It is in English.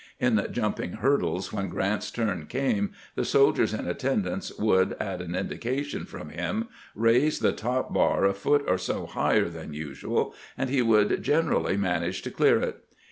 In jumping hurdles, when Grant's turn came the soldiers in attendance would, at an indication from him, raise the top bar a foot or so higher than usual, and he would generally manage to clear it.